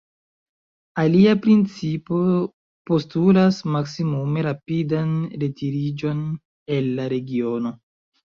Alia principo postulas maksimume rapidan retiriĝon el la regiono.